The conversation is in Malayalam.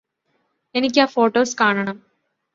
എനിക്ക് ആ ഫോട്ടോസ് കാണണം